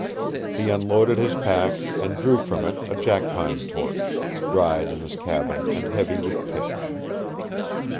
He unloaded his pack and drew from it a jackpine torch, dried in his cabin and heavy with pitch.